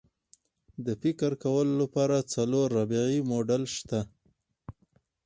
د فکر کولو لپاره څلور ربعي موډل شته.